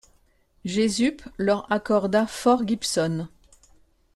Jesup leur accorda Fort Gibson.